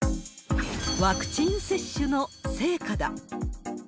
ワクチン接種の成果だ。